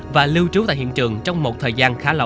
và lưu trú tại hiện trường trong một thời gian khá lâu